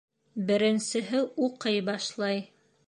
Беренсеһе уҡый башлай.